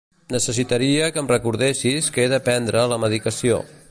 Necessitaria que em recordessis que he de prendre la medicació.